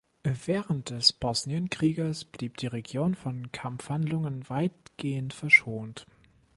Während des Bosnienkrieges blieb die Region von Kampfhandlungen weitgehend verschont.